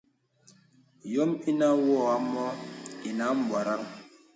Yɔm inə̀ wǒ ǎ mǒ ìnə m̀bwarə̀ŋ.